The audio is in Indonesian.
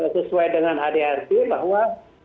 sesuai dengan adrb bahwa